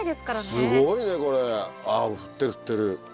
すごいねこれ振ってる振ってる。